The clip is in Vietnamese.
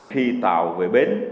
khi tàu về bến